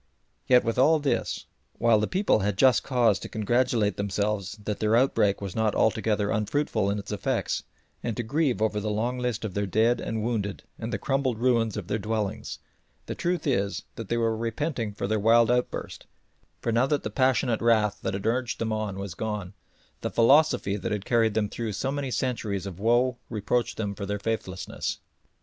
Yet with all this, while the people had just cause to congratulate themselves that their outbreak was not altogether unfruitful in its effects, and to grieve over the long list of their dead and wounded and the crumbled ruins of their dwellings, the truth is that they were repenting for their wild outburst; for now that the passionate wrath that had urged them on was gone, the philosophy that had carried them through so many centuries of woe reproached them for their faithlessness.